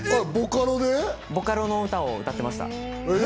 ボカロの歌を歌ってました。